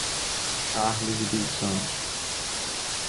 Charles dos Santos